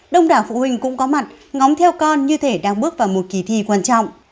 đông đảo phụ huynh cũng có mặt ngóng theo con như thể đang bước vào một kỳ thi quan trọng